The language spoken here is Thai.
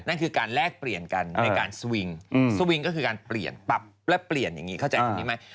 นั่นคือการแลกเปลี่ยนกันในการสวิงสวิงก็คือการเปลี่ยนปรับและเปลี่ยนอย่างนี้เข้าใจตรงนี้ไหม